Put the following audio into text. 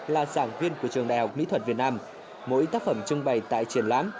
là giảng viên của trường đại học mỹ thuật việt nam mỗi tác phẩm trưng bày tại triển lãm